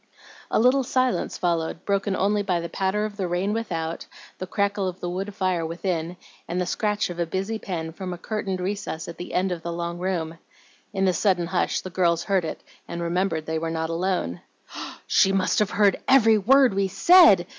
A little silence followed, broken only by the patter of the rain without, the crackle of the wood fire within, and the scratch of a busy pen from a curtained recess at the end of the long room. In the sudden hush the girls heard it and remembered that they were not alone. "She must have heard every word we said!"